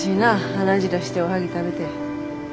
鼻血出しておはぎ食べて。